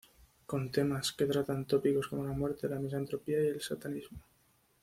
Con temas que tratan tópicos como la muerte, la misantropía y el satanismo.